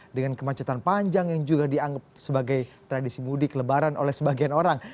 dengan kemacetan panjang yang juga dianggap sebagai tradisi mudik lebaran oleh sebagian orang